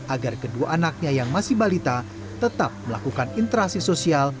agar kedua anaknya yang masih balita tetap melakukan interaksi sosial